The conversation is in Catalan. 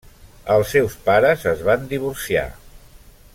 Els seus pares es van divorciar.